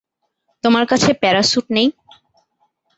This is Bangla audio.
তোমার কাছে প্যারাসুট নেই?